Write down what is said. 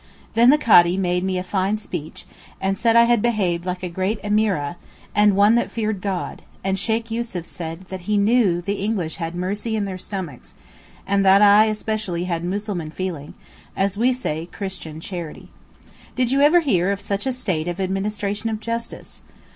Then the Cadi made me a fine speech, and said I had behaved like a great Emeereh, and one that feared God; and Sheykh Yussuf said he knew the English had mercy in their stomachs, and that I especially had Mussulman feelings (as we say, Christian charity). Did you ever hear of such a state of administration of justice.